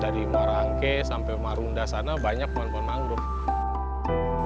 dari muara angke sampai marunda sana banyak pohon pohon mangrove